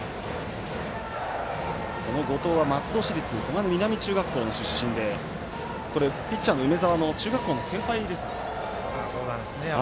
この後藤は松戸市立小金南中学校の出身でピッチャーの梅澤の中学校の先輩ですね。